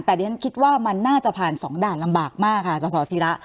แต่ดิฉันคิดว่ามันน่าจะผ่านสองด่านลำบากมากค่ะสสิระ